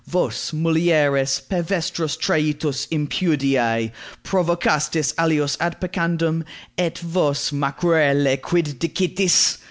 vos, mulieres, per vestros traitus impudiæ, provocastis alios ad peccandum? Et vos, maquerellæ, quid dicitis?"